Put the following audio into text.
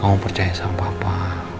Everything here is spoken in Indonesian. kamu percaya sama papa